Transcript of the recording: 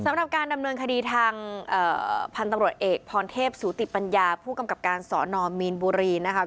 สำหรับการดำเนินคดีทางพันธุ์ตำรวจเอกพรเทพสูติปัญญาผู้กำกับการสอนอมีนบุรีนะคะ